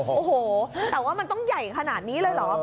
โอ้โหแต่ว่ามันต้องใหญ่ขนาดนี้เลยเหรอ